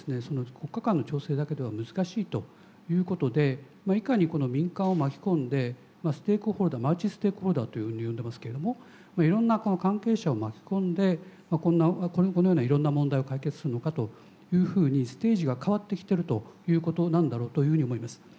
国家間の調整だけでは難しいということでいかに民間を巻き込んでステークホルダーマルチステークホルダーというふうに呼んでますけれどもいろんな関係者を巻き込んでこのようないろんな問題を解決するのかというふうにステージが変わってきてるということなんだろうというふうに思います。